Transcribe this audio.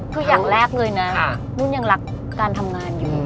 คืออย่างแรกเลยนะนุ่นยังรักการทำงานอยู่